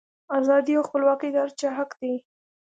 ازادي او خپلواکي د هر چا حق دی.